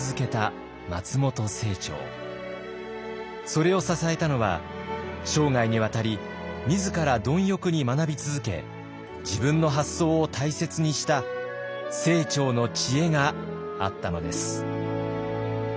それを支えたのは生涯にわたり自ら貪欲に学び続け自分の発想を大切にした清張の知恵があったのです。